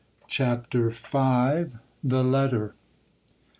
CHAPTER V. THE LETTER.